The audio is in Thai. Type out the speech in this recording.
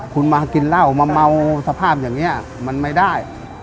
คุณมากินเหล้ามาเมาสภาพอย่างนี้มันไม่ได้